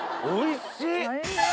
おいしい。